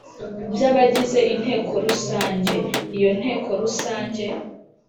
by abagize Inteko Rusange Iyo Nteko Rusange